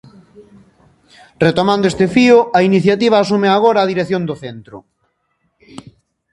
Retomando este fío, a iniciativa asúmea agora a dirección do centro.